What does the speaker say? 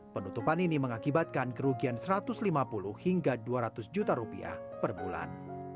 penutupan ini mengakibatkan kerugian satu ratus lima puluh hingga dua ratus juta rupiah per bulan